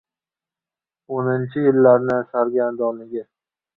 O‘ninchi yillarning sargardonligi